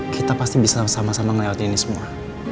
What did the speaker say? kita pasti bisa sama sama melewati ini semua